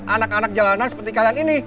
anak anak jalanan seperti kalian ini